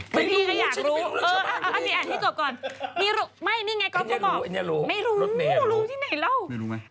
ไม่รู้ไม่รู้ไม่รู้ไม่รู้ไม่รู้ที่ไหนเล่าไม่รู้ไหม